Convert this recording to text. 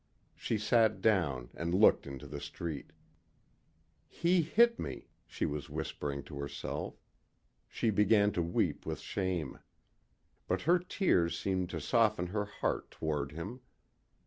She sat down and looked into the street. "He hit me," she was whispering to herself. She began to weep with shame. But her tears seemed to soften her heart toward him.